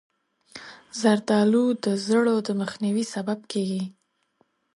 زردالو د زړو د مخنیوي سبب کېږي.